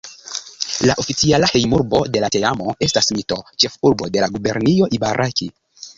La oficiala hejmurbo de la teamo estas Mito, ĉefurbo de la gubernio Ibaraki.